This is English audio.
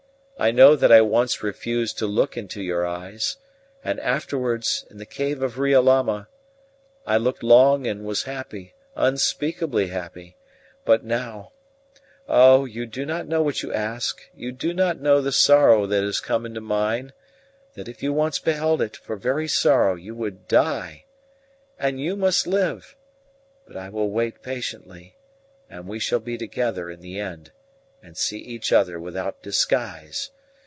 I know that I once refused to look into your eyes, and afterwards, in the cave at Riolama, I looked long and was happy unspeakably happy! But now oh, you do not know what you ask; you do not know the sorrow that has come into mine; that if you once beheld it, for very sorrow you would die. And you must live. But I will wait patiently, and we shall be together in the end, and see each other without disguise.